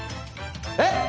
えっ！？